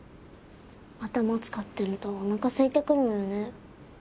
頭を使ってるとおなかすいてくるのよね。